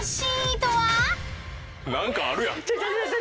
何かあるやん。